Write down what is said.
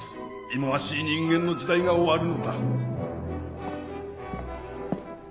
忌まわしい人間の時代が終わるのだ。